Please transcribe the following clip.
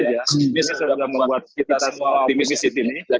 ini sudah membuat kita semua optimis di sini